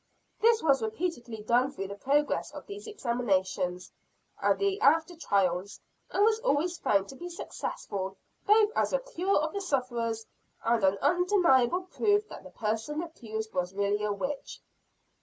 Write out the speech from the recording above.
This was repeatedly done through the progress of these examinations and the after trials; and was always found to be successful, both as a cure of the sufferers, and an undeniable proof that the person accused was really a witch.